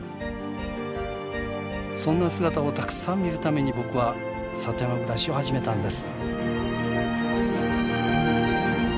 そんな姿をたくさん見るために僕は里山暮らしを始めたんです。